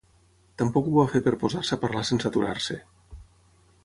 Tampoc ho va fer per posar-se a parlar sense aturar-se.